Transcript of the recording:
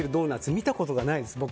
僕も見たことないです。